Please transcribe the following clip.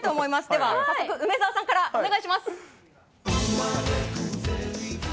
では、早速梅澤さんからお願いします。